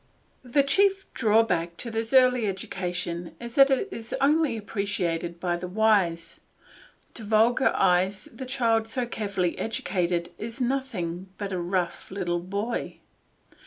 The chief drawback to this early education is that it is only appreciated by the wise; to vulgar eyes the child so carefully educated is nothing but a rough little boy.